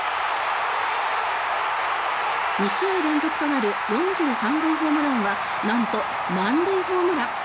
２試合連続となる４３号ホームランはなんと満塁ホームラン。